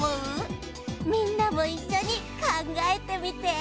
みんなもいっしょにかんがえてみて。